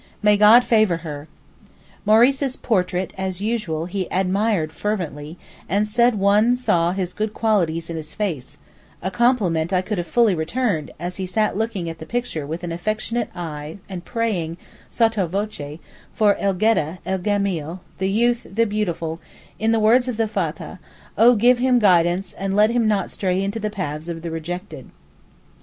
May God favour her!' Maurice's portrait (as usual) he admired fervently, and said one saw his good qualities in his face—a compliment I could have fully returned, as he sat looking at the picture with affectionate eyes and praying, sotto voce, for el gedda, el gemeel (the youth, the beautiful), in the words of the Fathah, 'O give him guidance and let him not stray into the paths of the rejected!